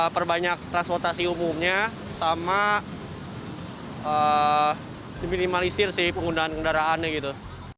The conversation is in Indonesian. perbanyak transportasi umumnya sama minimalisir sih penggunaan kendaraannya gitu